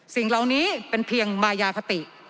สิ่งเหล่านี้เป็นเพียงมายาคติ